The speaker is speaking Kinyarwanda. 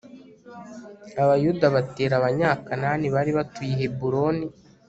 abayuda batera abanyakanani bari batuye i heburoni+